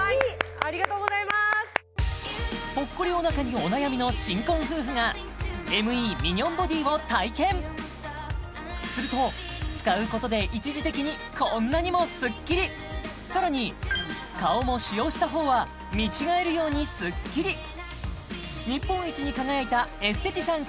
ありがとうございますポッコリおなかにお悩みの新婚夫婦がＭＥミニョンボディを体験すると使うことで一時的にこんなにもスッキリさらに顔も使用した方は見違えるようにスッキリ日本一に輝いたエステティシャン